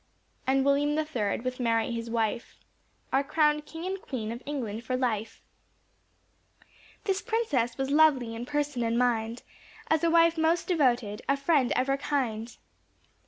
And William the third with Mary his wife Are crowned King and Queen of England for life. This princess was lovely in person and mind, As a wife most devoted, a friend ever kind.